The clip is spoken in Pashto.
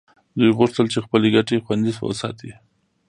دوی غوښتل چې خپلې ګټې خوندي وساتي